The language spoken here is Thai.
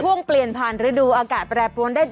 เปลี่ยนผ่านฤดูอากาศแปรปรวนได้